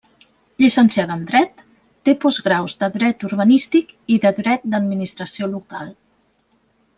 Llicenciada en Dret, té postgraus de Dret Urbanístic i de Dret d'Administració Local.